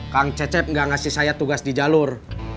kang cecep nggak ngasih saya tugas di jalur